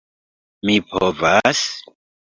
Mi povas?